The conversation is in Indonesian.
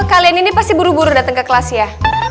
kalian ini pasti buru buru datang ke kelas ya